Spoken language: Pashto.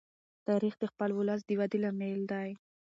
تاریخ د خپل ولس د ودې لامل دی.